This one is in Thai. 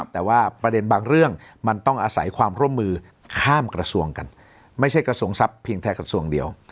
แต่ว่าประเด็นบางเรื่องมันต้องอาศัยความร่วมมือข้ามกระทรวงกันไม่ใช่กระทรวงทรัพย์เพียงแค่กระทรวงเดียว